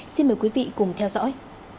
xin mời quý vị cùng theo dõi